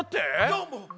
どーも！